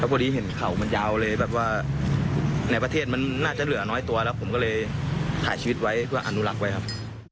พอดีเห็นเขามันยาวเลยแบบว่าในประเทศมันน่าจะเหลือน้อยตัวแล้วผมก็เลยถ่ายชีวิตไว้เพื่ออนุรักษ์ไว้ครับ